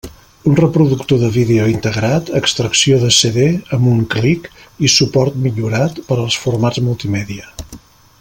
Un reproductor de vídeo integrat, extracció de CD amb un clic i suport millorat per als formats multimèdia.